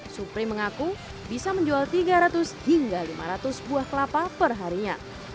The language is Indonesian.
supri mengaku bisa menjual tiga ratus hingga lima ratus buah kelapa perharinya